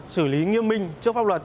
xử lý nghiêm minh trước pháp luật